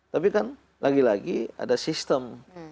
tapi kan lagi lagi ada sistem